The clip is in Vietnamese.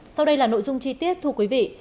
sau đây là nội dung chi tiết thu quý vị